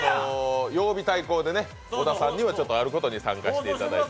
曜日対抗でね、小田さんにはあることに挑戦していただいて。